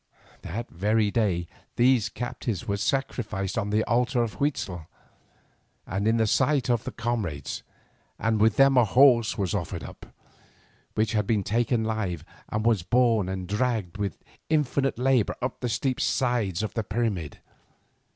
That very day these captives were sacrificed on the altar of Huitzel, and in the sight of their comrades, and with them a horse was offered up, which had been taken alive, and was borne and dragged with infinite labour up the steep sides of the pyramid.